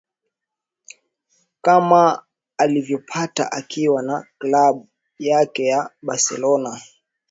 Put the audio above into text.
kama alivyopata akiwa na Klabu yake ya Barcelona